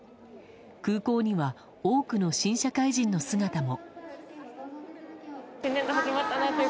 空港には多くの新社会人の姿も。